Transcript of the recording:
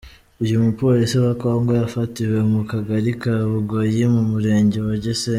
Uyu mupolisi wa Congo yafatiwe mu kagari ka Bugoyi mu murenge wa Gisenyi.